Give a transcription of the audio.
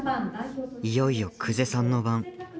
いよいよ久世さんの番。